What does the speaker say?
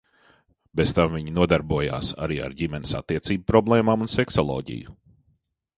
Bez tam viņa nodarbojās arī ar ģimenes attiecību problēmām un seksoloģiju.